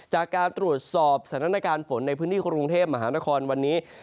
จากการตรวจสอบสถานการณ์ฝนในพื้นที่กรุงเทพมหานครวันนี้